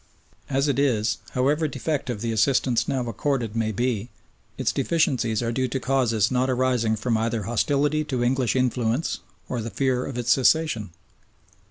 As it is, however defective the assistance now accorded may be, its deficiencies are due to causes not arising from either hostility to English influence or the fear of its cessation.